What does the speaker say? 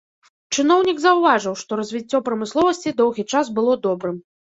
Чыноўнік заўважыў, што развіццё прамысловасці доўгі час было добрым.